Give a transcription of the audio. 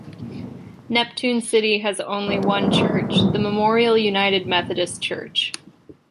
Neptune City has only one church, the Memorial United Methodist Church.